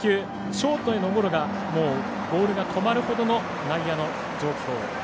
ショートへのゴロがもうボールが止まるほどの内野の状況。